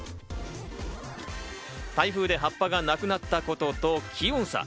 台風で葉っぱがなくなったことと気温差。